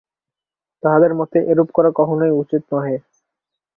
তাঁহাদের মতে এরূপ করা কখনই উচিত নহে।